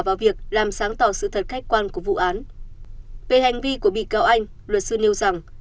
vào việc làm sáng tỏ sự thật khách quan của vụ án về hành vi của bị cáo anh luật sư nêu rằng